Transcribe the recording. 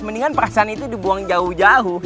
mendingan perasaan itu dibuang jauh jauh